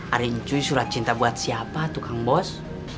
ariin cuy surat cinta buat siapa tuh kang bos